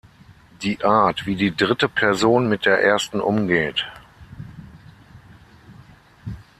Die Art wie die dritte Person mit der ersten umgeht.